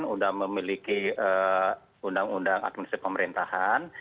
sudah memiliki undang undang administ pemerintahan